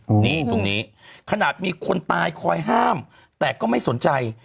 นี่ตรงนี้ขนาดมีคนตายคอยห้ามแต่ก็ไม่สนใจ